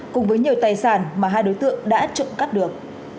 cùng với nhiều tài sản mà hai đối tượng đã trộm cắp được